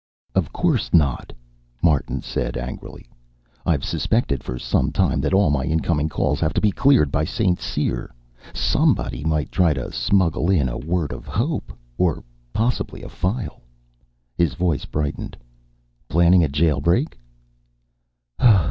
"Of course not," Martin said, angrily. "I've suspected for some time that all my incoming calls have to be cleared by St. Cyr. Somebody might try to smuggle in a word of hope, or possibly a file." His voice brightened. "Planning a jailbreak?"